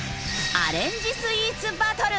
アレンジスイーツバトル。